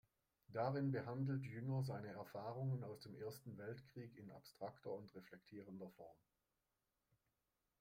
Darin behandelt Jünger seine Erfahrungen aus dem Ersten Weltkrieg in abstrakter und reflektierender Form.